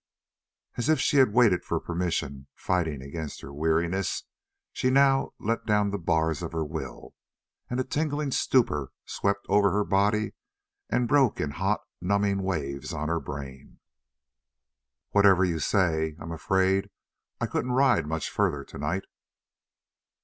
As if she had waited for permission, fighting against her weariness, she now let down the bars of her will, and a tingling stupor swept over her body and broke in hot, numbing waves on her brain. "Whatever you say. I'm afraid I couldn't ride much further tonight."